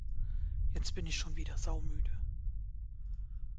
Jetzt bin ich schon wieder saumüde!